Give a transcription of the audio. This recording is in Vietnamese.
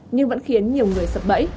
nhưng vẫn khiến nhiều người sập bẫy